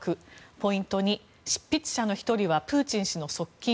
ポイント２、執筆者の１人はプーチン氏の側近。